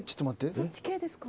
そっち系ですかね？